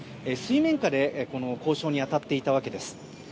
水面下で交渉に当たっていたわけです。